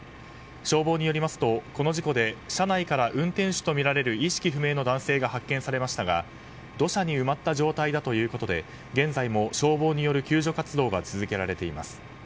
消防によりますとこの事故で車内から運転手とみられる意識不明の男性が発見されましたが土砂に埋まった状態だということで現在も消防による救助活動が続けられています。